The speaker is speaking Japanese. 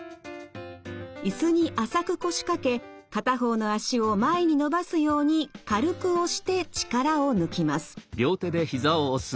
椅子に浅く腰掛け片方の脚を前に伸ばすように軽く押して力を抜きます。